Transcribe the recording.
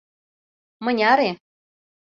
Мыняре?